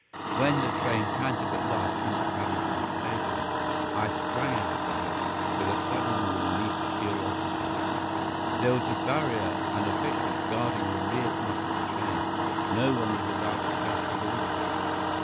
When the train panted at last into Paddington Station I sprang out of it with a suddenly released curiosity. There was a barrier and officials guarding the rear part of the train; no one was allowed to press towards it.